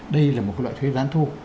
đây là một loại thuế gián thu